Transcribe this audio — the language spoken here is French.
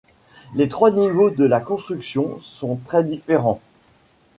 Les trois niveaux de la construction sont très différents.